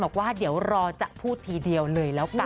บอกว่าเดี๋ยวรอจะพูดทีเดียวเลยแล้วกัน